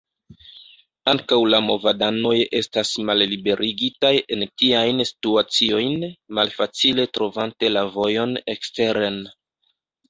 Ankaŭ la movadanoj estas malliberigitaj en tiajn situaciojn, malfacile trovante la vojon eksteren.